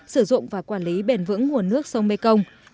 sử dụng và quản lý bền vững nguồn nước sông mê công